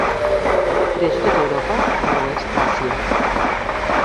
Creix a tota Europa i a l'oest d'Àsia.